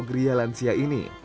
geria lansia ini